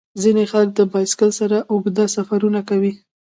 ځینې خلک د بایسکل سره اوږده سفرونه کوي.